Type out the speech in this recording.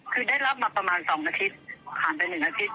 คุณแม่ก็ค่อนข้างนึกได้นะ